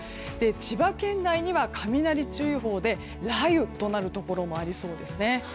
千葉県内には雷注意報で雷雨となるところもありそうですね。